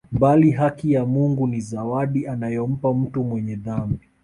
Bali haki ya Mungu ni zawadi anayompa mtu mwenye dhambi